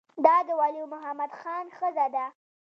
دا د ولی محمد خان ښځه ده.